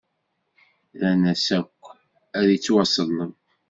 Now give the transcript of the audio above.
Rran-as akk: Ad ittwaṣelleb!